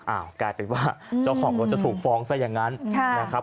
อ้าวกลายเป็นว่าเจ้าของรถจะถูกฟ้องซะอย่างนั้น